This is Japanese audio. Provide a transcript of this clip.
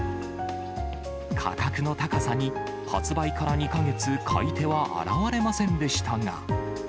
価格の高さに、発売から２か月、買い手が現れませんでしたが。